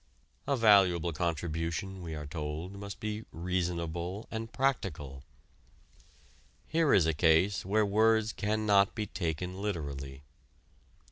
A valuable contribution, we are told, must be reasonable and practical. Here is a case where words cannot be taken literally.